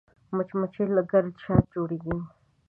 مچمچۍ له ګرده شات جوړوي